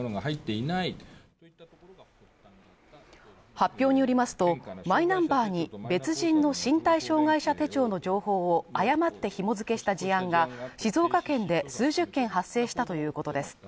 発表によりますと、マイナンバーに別人の身体障害者手帳の情報を誤って紐づけした事案が静岡県で数十件発生したということです。